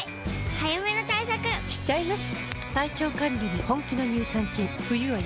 早めの対策しちゃいます。